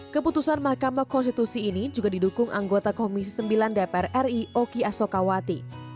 keputusan mahkamah konstitusi ini juga didukung anggota komisi sembilan dpr ri oki asokawati